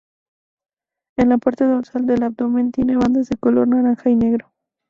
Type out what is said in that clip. En la parte dorsal del abdomen tiene bandas de color naranja y negro.